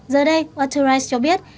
giờ đây waterize cho biết